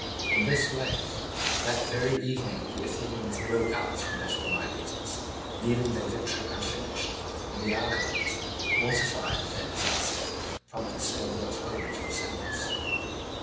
In this way that very evening the Athenians broke up from before Miletus, leaving their victory unfinished, and the Argives, mortified at their disaster, promptly sailed off home from Samos.